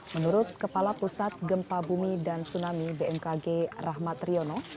menurut kepala pusat gempa bumi dan tsunami bmkg rahmat riono